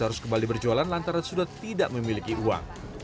harus kembali berjualan lantaran sudah tidak memiliki uang